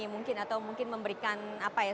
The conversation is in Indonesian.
mungkin atau mungkin memberikan apa ya